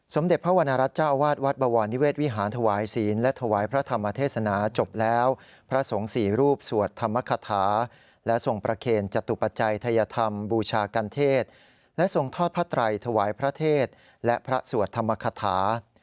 สมเด็จพระวรรณรัฐเจ้าอาวาสวัดบวรนิเวศวิหารถวายศีลและถวายพระธรรมเทศนาจบแล้วพระสงฆ์สี่รูปสวดธรรมคาถาและทรงประเคนจตุปัจจัยทัยธรรมบูชากันเทศและทรงทอดพระไตรถวายพระเทศและพระสวดธรรมคาถา